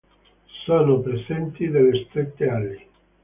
Sono presenti delle strette ali.